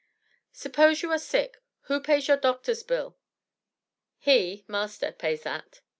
"Suppose you are sick who pays your doctor's bill?" "He (master) pays that."